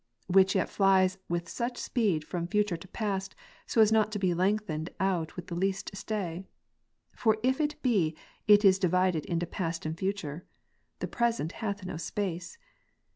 Which yet flies with such speed from future to past, as not to be lengthened out with the least stay. For if it be, it is divided into past and future. The present hath no space.